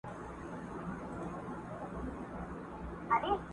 په ما ډکي خزانې دي لوی بانکونه!!